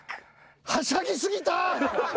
はしゃぎ過ぎた。